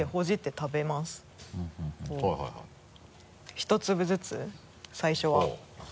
１粒ずつ最初は。